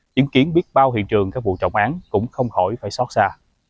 chứng kiến biết bao hiện trường các vụ trọng án cũng không khỏi phải xót xa